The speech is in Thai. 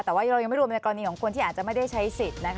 แต่ว่ายังไม่รู้ว่ามันจะกรณีของคนที่อาจจะไม่ได้ใช้ศิษย์